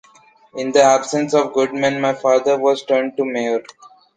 In the absence of good men, my father was turned to mayor.